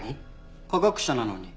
科学者なのに。